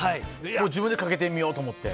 自分でかけてみようと思って？